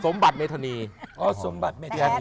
สมบัติเมธานีอ๋อสมบัติเมธานี